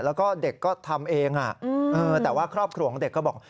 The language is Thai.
แล้วก็เด็กก็ทำเองแต่ว่าครอบครัวของเด็กก็บอก